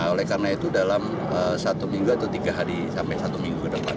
oleh karena itu dalam satu minggu atau tiga hari sampai satu minggu ke depan